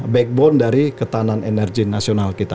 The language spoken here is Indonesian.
backbone dari ketahanan energi nasional kita